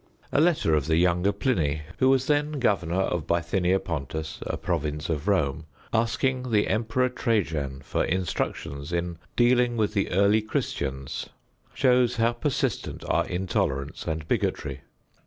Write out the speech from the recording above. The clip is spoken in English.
A letter of the younger Pliny, who was then governor of Bythinia Pontus, a province of Rome, asking the Emperor Trajan for instructions in dealing with the early Christians shows how persistent are intolerance and bigotry.